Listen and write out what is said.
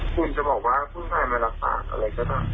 คุณจะบอกว่าผู้ชายมันรักปากอะไรก็ต่างต่อ